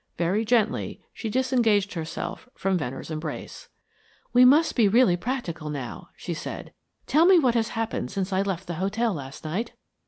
Very gently, she disengaged herself from Venner's embrace. "We must be really practical now," she said. "Tell me what has happened since I left the hotel last night?"